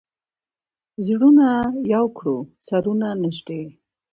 زړونه یو کړو، سرونه نژدې